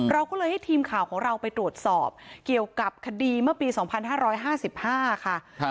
เราก็เลยให้ทีมข่าวของเราไปตรวจสอบเกี่ยวกับคดีเมื่อปี๒๕๕๕ค่ะ